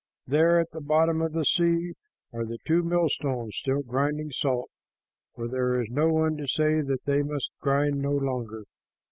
There at the bottom of the sea are the two millstones still grinding salt, for there is no one to say that they must grind no longer.